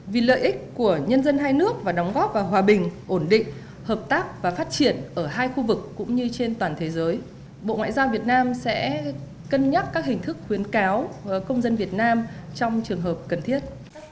vì lợi ích của nhân dân hai nước và đóng góp vào hòa bình ổn định hợp tác và phát triển ở hai khu vực cũng như trên toàn thế giới bộ ngoại giao việt nam sẽ cân nhắc các hình thức khuyến cáo công dân việt nam trong trường hợp cần thiết